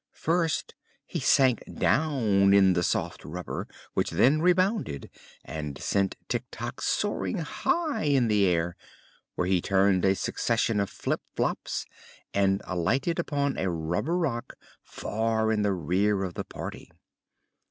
First he sank down in the soft rubber, which then rebounded and sent Tik Tok soaring high in the air, where he turned a succession of flip flops and alighted upon a rubber rock far in the rear of the party.